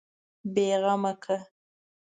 بېغمه کړ.